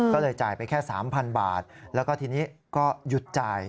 ก็เลยจ่ายไปแค่๓๐๐๐บาทแล้วก็ทีนี้ก็หยุดจ่าย